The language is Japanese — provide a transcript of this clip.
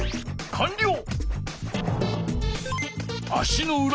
かんりょう！